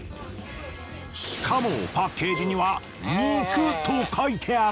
しかもパッケージには「肉」と書いてある。